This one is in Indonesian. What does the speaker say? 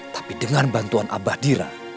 tapi dengan bantuan abah dira